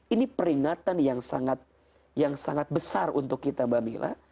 ini peringatan yang sangat besar untuk kita mbak mila